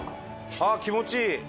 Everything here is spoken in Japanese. あっ気持ちいい。